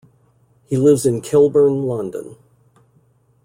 He lives in Kilburn, London.